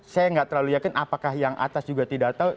saya nggak terlalu yakin apakah yang atas juga tidak tahu